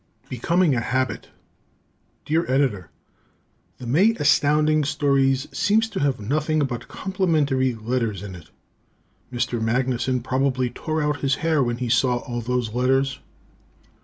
"Becoming a Habit" Dear Editor: The May Astounding Stories seems to have nothing but complimentary letters in it. Mr. Magnuson probably tore out his hair when he saw all those letters.